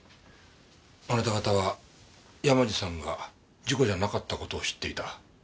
あなた方は山路さんが事故じゃなかった事を知っていた。